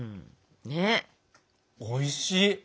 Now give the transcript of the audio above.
おいしい！